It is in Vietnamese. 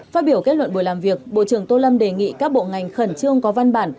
phát biểu kết luận buổi làm việc bộ trưởng tô lâm đề nghị các bộ ngành khẩn trương có văn bản